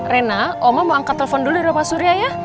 rena oma mau angkat telepon dulu ya pak surya ya